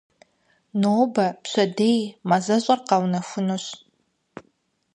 Нобэ-пщэдей мазэщӏэр къэунэхунущ.